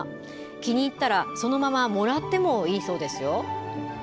気に入ったら、そのままもらってもいいそうですよ。